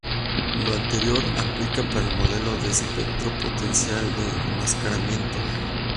Lo anterior aplica para el modelo de espectro-potencia del enmascaramiento.